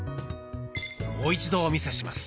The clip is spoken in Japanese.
もう一度お見せします。